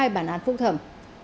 hai bản án phúc thẩm